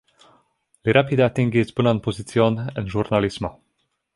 Li rapide atingis bonan pozicion en ĵurnalismo.